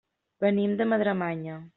Venim de Madremanya.